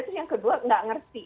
terus yang kedua nggak ngerti